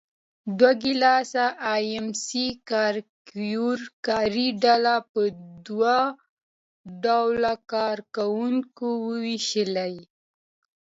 ډوګلاس اېم سي ګرېګور کاري ډله په دوه ډوله کار کوونکو وېشلې.